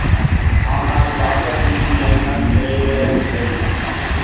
ஆனால் ராஜாஜியின் எண்ணம் நிறைவேறவில்லை.